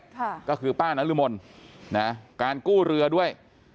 ค่ะก็คือป้านรมนนะการกู้เรือด้วย